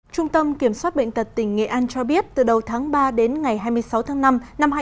trung tâm kiểm soát bệnh tật tỉnh nghệ an cho biết từ đầu tháng ba đến ngày hai mươi sáu tháng năm năm hai nghìn hai mươi